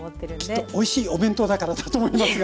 きっとおいしいお弁当だからだと思いますが。